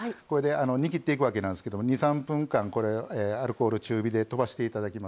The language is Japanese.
煮きっていくわけなんですけども２３分間アルコール中火でとばしていただきます。